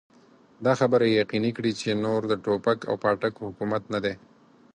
دا خبره يقيني کړي چې نور د ټوپک او پاټک حکومت نه دی.